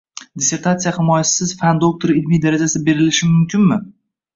Dissertatsiya himoyasisiz fan doktori ilmiy darajasi berilishi mumkinmi?